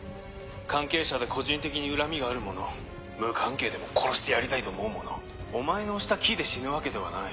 関係者で個人的に恨みがある者無関係でも殺してやりたいと思う者お前の押したキーで死ぬわけではない。